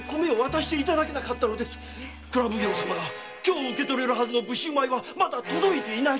蔵奉行様が今日受け取れるはずの武州米はまだ届いていないと。